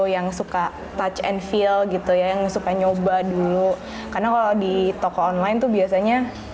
yang suka touch and feel gitu ya yang suka nyoba dulu karena kalau di toko online tuh biasanya